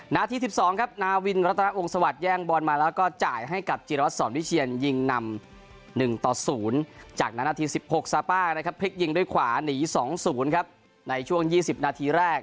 นัดที่๑๒ครับนาวินรัตนาองศวรรษแย่งบอลมาแล้วก็จ่ายให้กับจีรวรรษสอนวิเชียนยิงนำ๑ต่อ๐